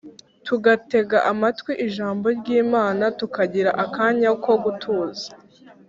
tugatega amatwi ijambo ry’imana, tukagira akanya ko gutuza